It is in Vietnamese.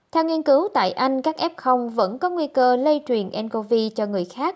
theo nghiên cứu tại anh các f vẫn có nguy cơ lây truyền ncov cho người khác